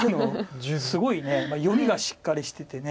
すごい読みがしっかりしてて。